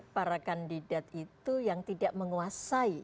para kandidat itu yang tidak menguasai